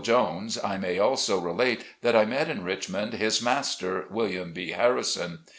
Jones, I may also relate that I met in Richmond, his master, William B. Harrison.